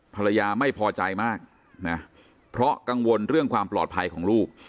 ภรรยาไม่พอใจมากนะเพราะกังวลเรื่องความปลอดภัยของลูก